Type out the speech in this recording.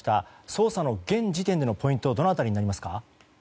捜査の現時点でのポイントはどの辺りになりますか。